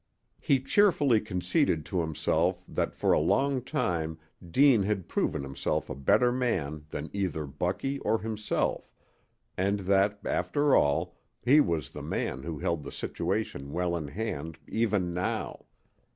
He cheerfully conceded to himself that for a long time Deane had proved himself a better man than either Bucky or himself, and that, after all, he was the man who held the situation well in hand even now.